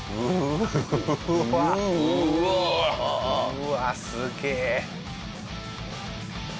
うわっすげえ！